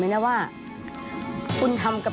สวัสดีครับ